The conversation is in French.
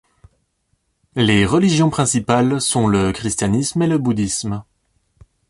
Les religions principales sont le christianisme et le bouddhisme.